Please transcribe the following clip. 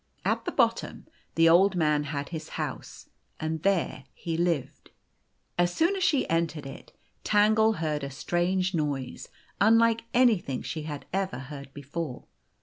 At the bottom the Old Man had his house, and there he lived. As soon as she entered it, Tangle heard a strange noise, unlike anything she had ever heard before.